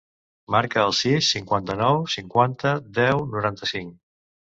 Marca el sis, cinquanta-nou, cinquanta, deu, noranta-cinc.